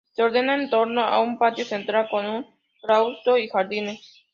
Se ordena en torno a un patio central, con un claustro y jardines.